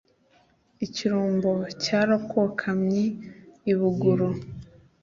Ikirumbo cyarakwokamye i Buguru*.